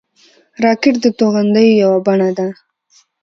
راکټ د توغندیو یوه بڼه ده